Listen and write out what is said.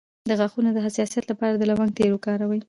د غاښونو د حساسیت لپاره د لونګ تېل وکاروئ